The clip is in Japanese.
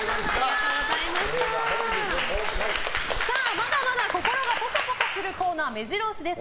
まだまだ心がぽかぽかするコーナー目白押しです。